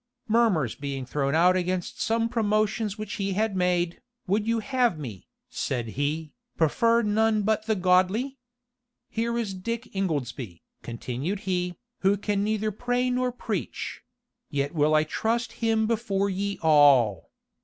Murmurs being thrown out against some promotions which he had made, "Would you have me," said he, "prefer none but the godly? Here is Dick Ingoldsby," continued he, "who can neither pray nor preach; yet will I trust him before ye all."